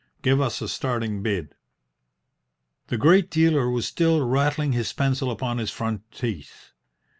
Give us a starting bid." The great dealer was still rattling his pencil upon his front teeth.